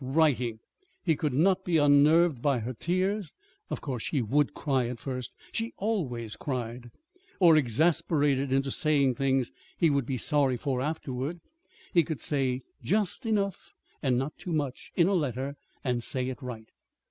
Writing, he could not be unnerved by her tears (of course she would cry at first she always cried!) or exasperated into saying things he would be sorry for afterwards. He could say just enough, and not too much, in a letter, and say it right.